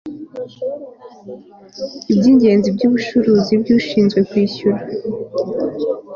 by ingenzi by ubucuruzi by ushinzwe kwishyuza